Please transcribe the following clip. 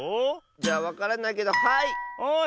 じゃあわからないけどはい！